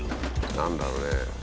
何だろうね？